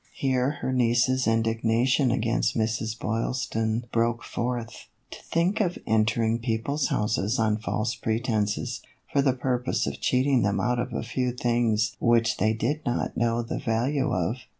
Here her niece's indignation against Mrs. Boyl ston broke forth :" To think of entering people's houses on false pretenses, for the purpose of cheat ing them out of a few things which they did not know the value of.